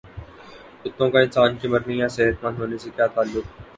کتوں کا انسان کے مرنے یا صحت مند ہونے سے کیا تعلق